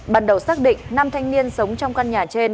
ban đầu xác định năm thanh niên sống trong căn nhà trên